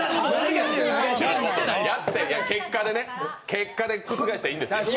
結果で覆したらいいんですよ。